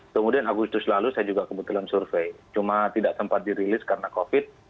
kemudian agustus lalu saya juga kebetulan survei cuma tidak sempat dirilis karena covid